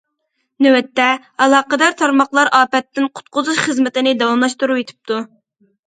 نۆۋەتتە، ئالاقىدار تارماقلار ئاپەتتىن قۇتقۇزۇش خىزمىتىنى داۋاملاشتۇرۇۋېتىپتۇ.